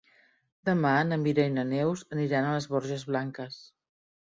Demà na Mira i na Neus aniran a les Borges Blanques.